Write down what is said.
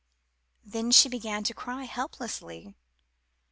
Then she began to cry helplessly.